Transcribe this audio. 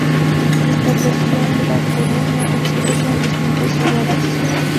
Se estableció en La Coruña, expuso en distintas ciudades.